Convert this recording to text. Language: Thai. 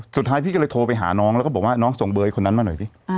สุดท้ายพี่ก็เลยโทรไปหาน้องแล้วก็บอกว่าน้องส่งเบอร์คนนั้นมาหน่อยสิ